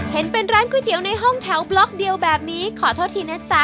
เห็นเป็นร้านก๋วยเตี๋ยวในห้องแถวบล็อกเดียวแบบนี้ขอโทษทีนะจ๊ะ